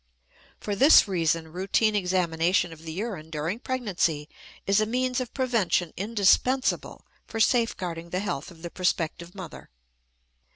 For this reason routine examination of the urine during pregnancy is a means of prevention indispensable for safeguarding the health of the prospective mother.